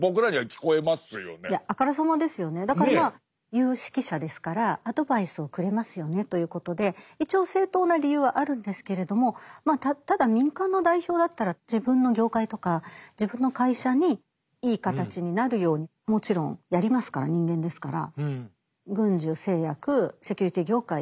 「有識者」ですからアドバイスをくれますよねということで一応正当な理由はあるんですけれどもただ民間の代表だったら自分の業界とか自分の会社にいい形になるようにもちろんやりますから人間ですから軍需製薬セキュリティ業界。